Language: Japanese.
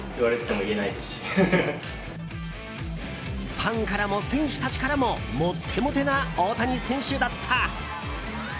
ファンからも選手たちからもモッテモテな大谷選手だった。